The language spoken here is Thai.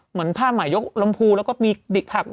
เหมือนผ้าหมายยกลำพูแล้วก็มีดิกผัก